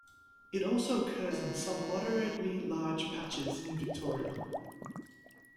It also occurs in some moderately large patches in Victoria.